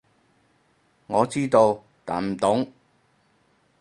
我知道，但唔懂